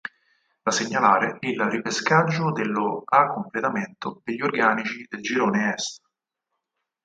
Da segnalare il ripescaggio dello a completamento degli organici del Girone Est.